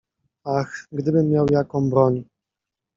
Ach, gdybym miał jaką broń!